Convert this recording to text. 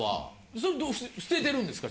それ捨ててるんですか？